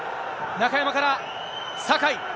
中山から酒井。